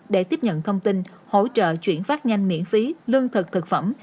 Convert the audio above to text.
để tiếp nhận thông tin hỗ trợ chuyển phát nhanh miễn phí lương thực thực phẩm